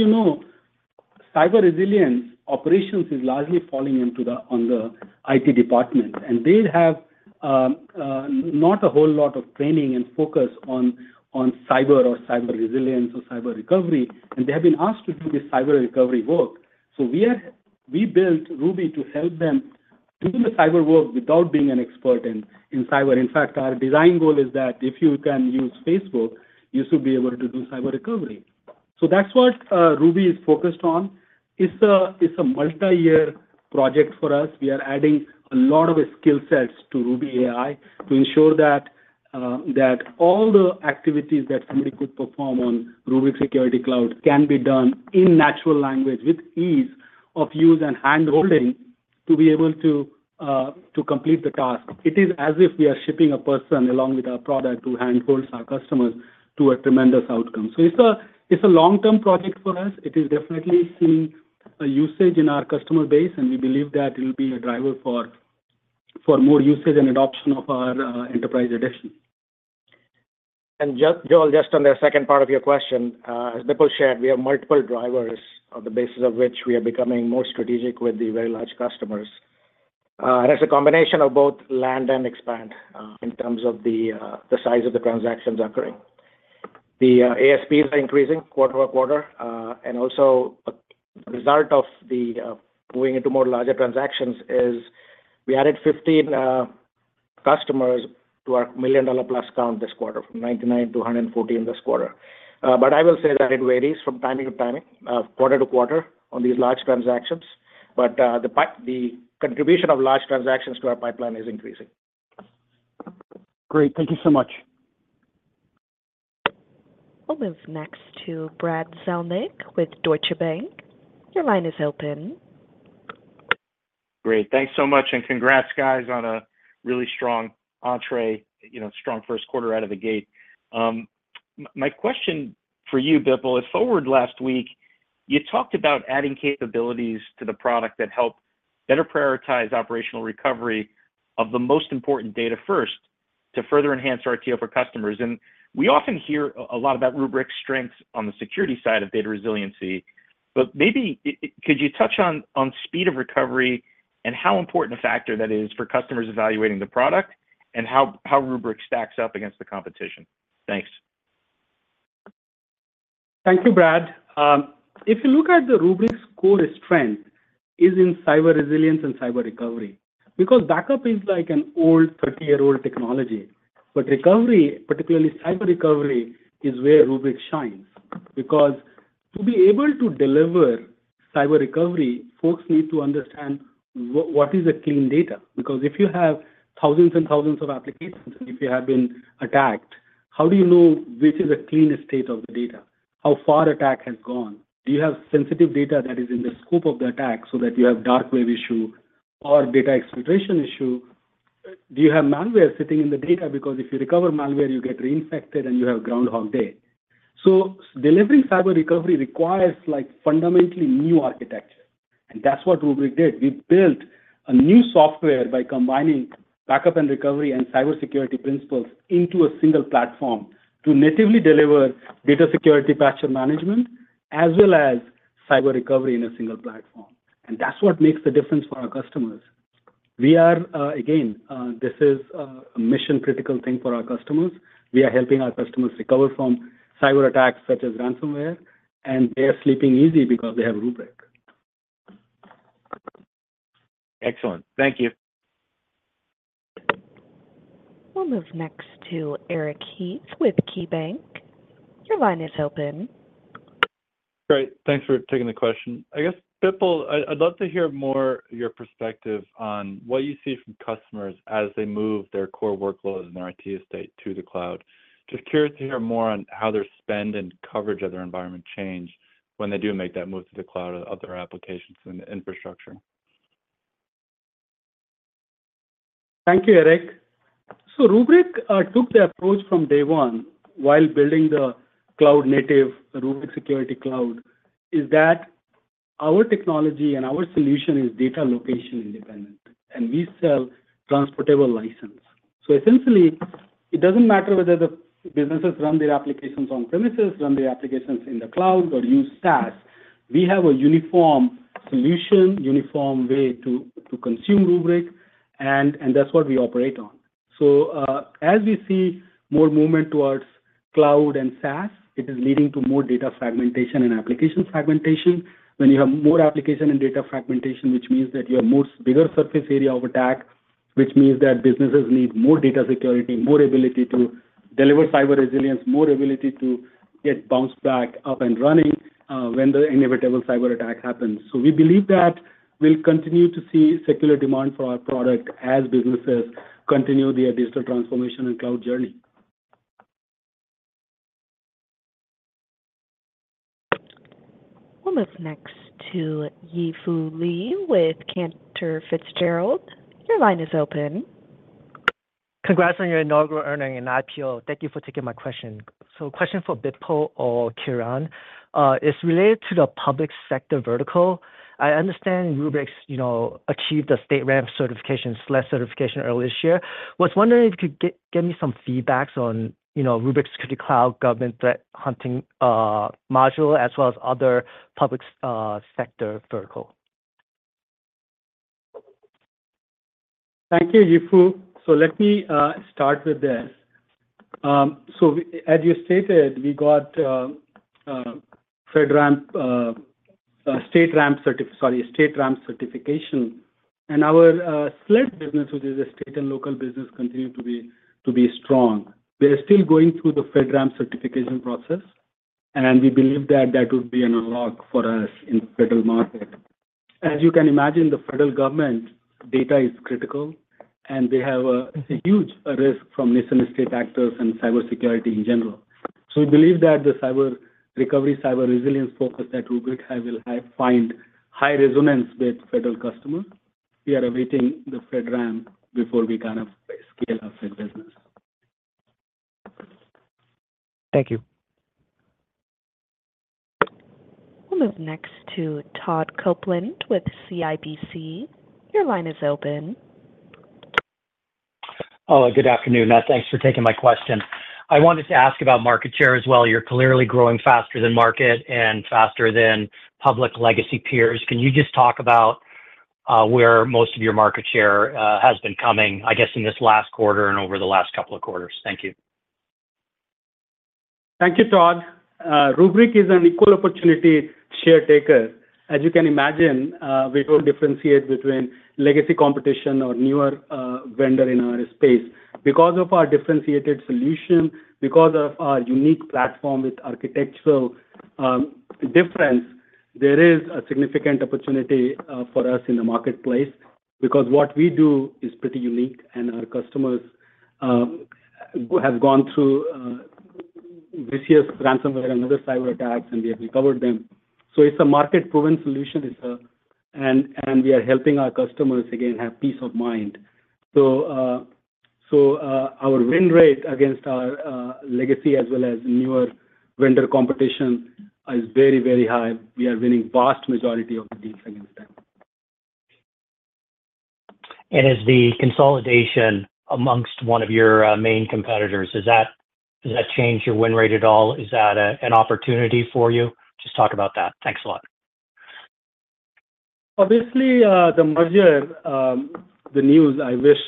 you know, cyber resilience operations is largely falling into the, on the IT department, and they have not a whole lot of training and focus on, on cyber or cyber resilience or cyber recovery, and they have been asked to do this cyber recovery work. So we built Ruby to help them do the cyber work without being an expert in, in cyber. In fact, our design goal is that if you can use Facebook, you should be able to do cyber recovery. So that's what Ruby is focused on. It's a, it's a multi-year project for us. We are adding a lot of skill sets to Ruby AI to ensure that that all the activities that somebody could perform on Rubrik Security Cloud can be done in natural language with ease of use and handholding to be able to complete the task. It is as if we are shipping a person along with our product who handholds our customers to a tremendous outcome. So it's a, it's a long-term project for us. It is definitely seeing a usage in our customer base, and we believe that it'll be a driver for more usage and adoption of our Enterprise Edition. Joel, just on the second part of your question, as Bipul shared, we have multiple drivers on the basis of which we are becoming more strategic with the very large customers. It's a combination of both land and expand, in terms of the size of the transactions occurring. The ASPs are increasing quarter over quarter, and also a result of the going into more larger transactions is we added 15 customers to our $1 million-plus count this quarter, from 99 to 114 this quarter. But I will say that it varies from timing to timing, quarter to quarter, on these large transactions, but the contribution of large transactions to our pipeline is increasing. Great. Thank you so much. We'll move next to Brad Zelnick with Deutsche Bank. Your line is open. Great. Thanks so much, and congrats, guys, on a really strong entry, you know, strong first quarter out of the gate. My question for you, Bipul, at Forward last week, you talked about adding capabilities to the product that help better prioritize operational recovery of the most important data first to further enhance RTO for customers. We often hear a lot about Rubrik's strengths on the security side of data resiliency, but maybe could you touch on speed of recovery and how important a factor that is for customers evaluating the product, and how Rubrik stacks up against the competition? Thanks. Thank you, Brad. If you look at Rubrik's core strength is in cyber resilience and cyber recovery, because backup is like an old 30-year-old technology. But recovery, particularly cyber recovery, is where Rubrik shines. Because to be able to deliver cyber recovery, folks need to understand what is clean data. Because if you have thousands and thousands of applications, and if you have been attacked, how do you know which is a cleaner state of the data? How far attack has gone? Do you have sensitive data that is in the scope of the attack so that you have dark web issue or data exfiltration issue? Do you have malware sitting in the data? Because if you recover malware, you get reinfected, and you have Groundhog Day. So delivering cyber recovery requires like, fundamentally new architecture, and that's what Rubrik did. We built a new software by combining backup and recovery and cybersecurity principles into a single platform to natively deliver data security, patch, and management, as well as cyber recovery in a single platform. That's what makes the difference for our customers. We are. Again, this is a mission-critical thing for our customers. We are helping our customers recover from cyberattacks such as ransomware, and they are sleeping easy because they have Rubrik. Excellent. Thank you. We'll move next to Eric Heath with KeyBanc. Your line is open. Great. Thanks for taking the question. I guess, Bipul, I'd, I'd love to hear more of your perspective on what you see from customers as they move their core workloads and their IT estate to the cloud. Just curious to hear more on how their spend and coverage of their environment change when they do make that move to the cloud of their applications and infrastructure.... Thank you, Eric. So Rubrik took the approach from day one while building the cloud-native Rubrik Security Cloud, is that our technology and our solution is data location independent, and we sell transportable license. So essentially, it doesn't matter whether the businesses run their applications on-premises, run their applications in the cloud, or use SaaS. We have a uniform solution, uniform way to consume Rubrik, and that's what we operate on. So, as we see more movement towards cloud and SaaS, it is leading to more data fragmentation and application fragmentation. When you have more application and data fragmentation, which means that you have more bigger surface area of attack, which means that businesses need more data security, more ability to deliver cyber resilience, more ability to get bounced back up and running, when the inevitable cyberattack happens. We believe that we'll continue to see secular demand for our product as businesses continue their digital transformation and cloud journey. We'll move next to Yi Fu Lee with Cantor Fitzgerald. Your line is open. Congrats on your inaugural earning and IPO. Thank you for taking my question. So question for Bipul or Kiran. It's related to the public sector vertical. I understand Rubrik's, you know, achieved a StateRAMP certification, SLED certification earlier this year. Was wondering if you could give me some feedbacks on, you know, Rubrik's Security Cloud government threat hunting module, as well as other public sector vertical. Thank you, Yifu. So let me start with this. So we... As you stated, we got FedRAMP, StateRAMP certification, and our SLED business, which is a state and local business, continues to be strong. We are still going through the FedRAMP certification process, and we believe that that would be an unlock for us in federal market. As you can imagine, the federal government data is critical, and they have a huge risk from nation-state actors and cybersecurity in general. So we believe that the cyber recovery, cyber resilience focus at Rubrik will find high resonance with federal customer. We are awaiting the FedRAMP before we kind of scale up the business. Thank you. We'll move next to Todd Coupland with CIBC. Your line is open. Hello, good afternoon. Thanks for taking my question. I wanted to ask about market share as well. You're clearly growing faster than market and faster than public legacy peers. Can you just talk about where most of your market share has been coming, I guess, in this last quarter and over the last couple of quarters? Thank you. Thank you, Todd. Rubrik is an equal opportunity share taker. As you can imagine, we don't differentiate between legacy competition or newer vendor in our space. Because of our differentiated solution, because of our unique platform with architectural difference, there is a significant opportunity for us in the marketplace because what we do is pretty unique and our customers have gone through this year's ransomware and other cyberattacks, and we have recovered them. So it's a market-proven solution, and we are helping our customers, again, have peace of mind. So, so, our win rate against our legacy as well as newer vendor competition is very, very high. We are winning vast majority of the deals against them. As the consolidation among one of your main competitors, does that change your win rate at all? Is that an opportunity for you? Just talk about that. Thanks a lot. Obviously, the merger, the news, I wish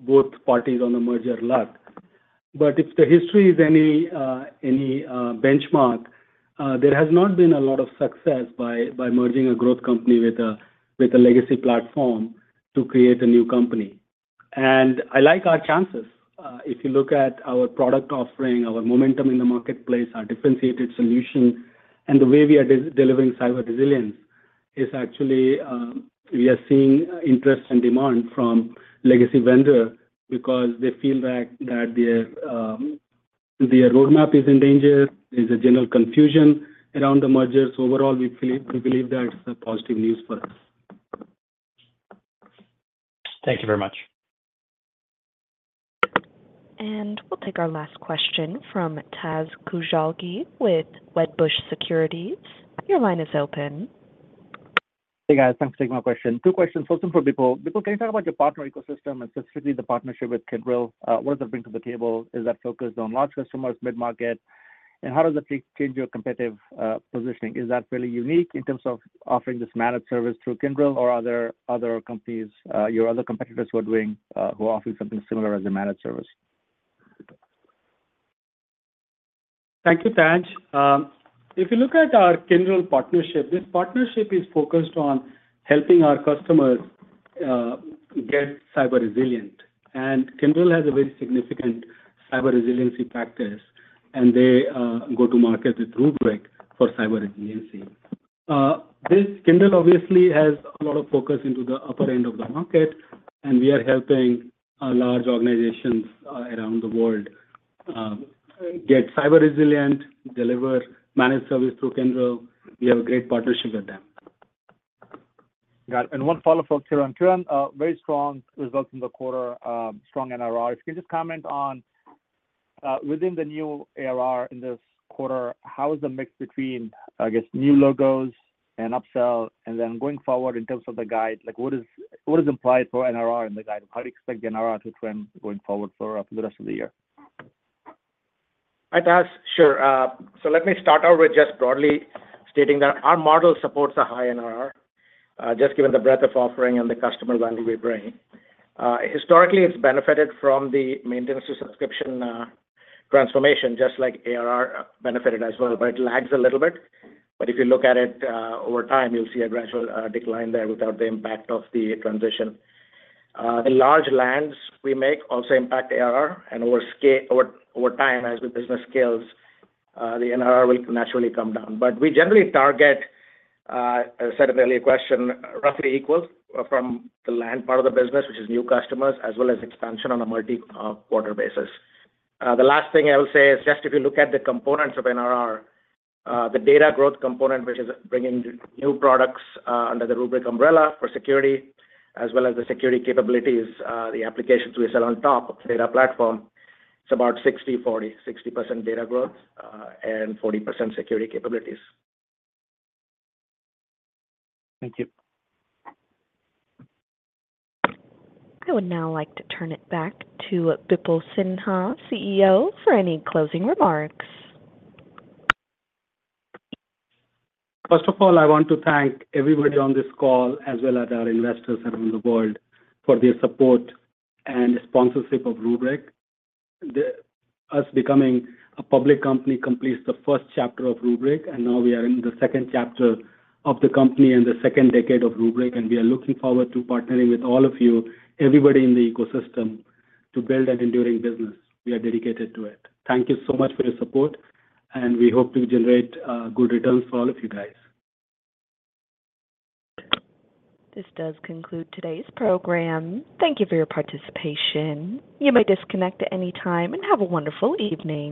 both parties on the merger luck. But if the history is any benchmark, there has not been a lot of success by merging a growth company with a legacy platform to create a new company. And I like our chances. If you look at our product offering, our momentum in the marketplace, our differentiated solution, and the way we are delivering cyber resilience, is actually, we are seeing interest and demand from legacy vendor because they feel that their roadmap is in danger. There's a general confusion around the mergers. Overall, we believe that it's a positive news for us. Thank you very much. We'll take our last question from Taz Koujalgi with Wedbush Securities. Your line is open. Hey, guys. Thanks for taking my question. Two questions. First one for Bipul. Bipul, can you talk about your partner ecosystem, and specifically the partnership with Kyndryl? What does it bring to the table? Is that focused on large customers, mid-market? And how does that change your competitive positioning? Is that really unique in terms of offering this managed service through Kyndryl or are there other companies, your other competitors who are doing, who offer something similar as a managed service? Thank you, Taz. If you look at our Kyndryl partnership, this partnership is focused on helping our customers get cyber resilient. Kyndryl has a very significant cyber resiliency practice, and they go to market with Rubrik for cyber resiliency. This Kyndryl obviously has a lot of focus into the upper end of the market, and we are helping large organizations around the world get cyber resilient, deliver managed service through Kyndryl. We have a great partnership with them. Got it. And one follow-up for Kiran. Kiran, very strong results in the quarter, strong NRR. If you can just comment on, within the new ARR in this quarter, how is the mix between, I guess, new logos and upsell? And then going forward, in terms of the guide, like, what is, what is implied for NRR in the guide? How do you expect the NRR to trend going forward for, the rest of the year? Hi, Taz. Sure. So let me start out with just broadly stating that our model supports a high NRR, just given the breadth of offering and the customer value we bring. Historically, it's benefited from the maintenance to subscription transformation, just like ARR benefited as well, but it lags a little bit. But if you look at it, over time, you'll see a gradual decline there without the impact of the transition. The large lands we make also impact ARR, and over time, as the business scales, the NRR will naturally come down. But we generally target, I said it in the earlier question, roughly equal from the land part of the business, which is new customers, as well as expansion on a multi quarter basis. The last thing I will say is just if you look at the components of NRR, the data growth component, which is bringing new products under the Rubrik umbrella for security, as well as the security capabilities, the applications we sell on top of the data platform, it's about 60/40. 60% data growth and 40% security capabilities. Thank you. I would now like to turn it back to Bipul Sinha, CEO, for any closing remarks. First of all, I want to thank everybody on this call, as well as our investors around the world, for their support and sponsorship of Rubrik. Us becoming a public company completes the first chapter of Rubrik, and now we are in the second chapter of the company and the second decade of Rubrik, and we are looking forward to partnering with all of you, everybody in the ecosystem, to build an enduring business. We are dedicated to it. Thank you so much for your support, and we hope to generate good returns for all of you guys. This does conclude today's program. Thank you for your participation. You may disconnect at any time, and have a wonderful evening.